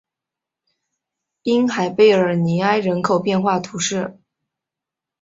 滨海贝尔尼埃人口变化图示